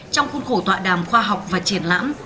trong khuôn khổ tọa đàm khoa học và triển lãm